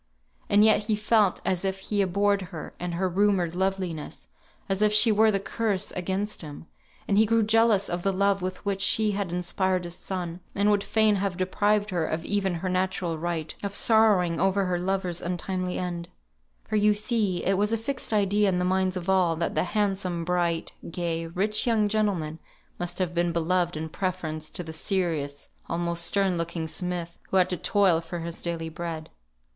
And yet he felt as if he abhorred her and her rumoured loveliness, as if she were the curse against him; and he grew jealous of the love with which she had inspired his son, and would fain have deprived her of even her natural right of sorrowing over her lover's untimely end: for you see it was a fixed idea in the minds of all, that the handsome, bright, gay, rich young gentleman must have been beloved in preference to the serious, almost stern looking smith, who had to toil for his daily bread.